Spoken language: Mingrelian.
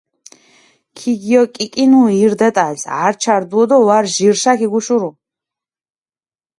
ქიგიოკიკინუ ირ დეტალს, ართშა რდუო დო ვარ ჟირშა ქიგუშურუ.